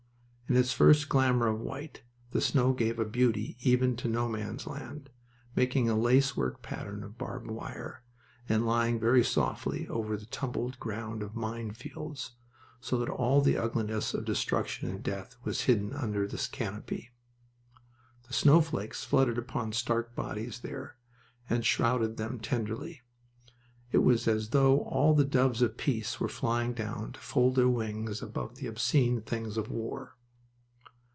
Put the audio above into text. In its first glamour of white the snow gave a beauty even to No Man's Land, making a lace work pattern of barbed wire, and lying very softly over the tumbled ground of mine fields, so that all the ugliness of destruction and death was hidden under this canopy. The snowflakes fluttered upon stark bodies there, and shrouded them tenderly. It was as though all the doves of peace were flying down to fold their wings above the obscene things of war.